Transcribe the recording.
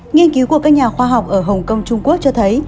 nghiên cứu của các nhà khoa học ở hồng kông trung quốc cho thấy